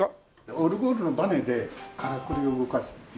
オルゴールのバネでからくりを動かす字を書く。